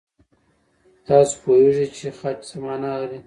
تاسو پوهېږئ چې خج څه مانا لري؟